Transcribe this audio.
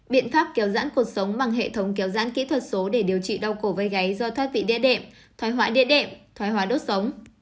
biện pháp kéo giãn cuộc sống bằng hệ thống kéo dãn kỹ thuật số để điều trị đau cổ gây gáy do thoát vị địa đệm thoái họa địa đệm thoái hóa đốt sống